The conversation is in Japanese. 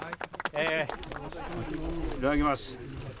いただきます。